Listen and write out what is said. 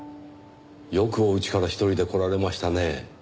よくお家から一人で来られましたねぇ。